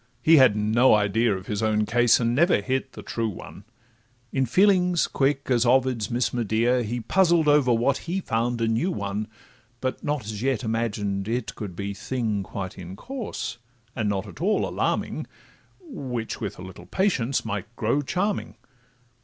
he had no idea Of his own case, and never hit the true one; In feelings quick as Ovid's Miss Medea, He puzzled over what he found a new one, But not as yet imagined it could be Thing quite in course, and not at all alarming, Which, with a little patience, might grow charming.